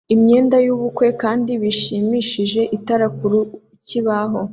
imyenda y'ubukwe kandi bishimikije itara ku kibaho